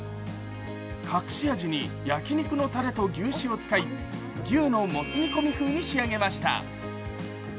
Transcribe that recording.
隠し味に焼き肉のたれと牛脂を使い牛のもつ煮込み風に仕上げました。